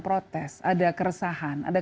protes ada keresahan ada